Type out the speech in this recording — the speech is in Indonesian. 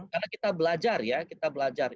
karena kita belajar ya kita belajar